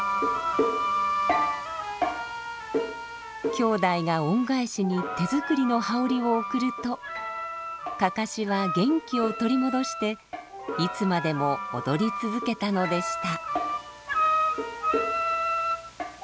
きょうだいが恩返しに手作りの羽織を贈るとかかしは元気を取り戻していつまでも踊り続けたのでした。